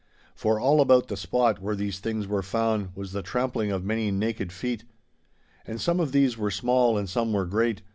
For all about the spot where these things were found, was the trampling of many naked feet. And some of these were small and some were great.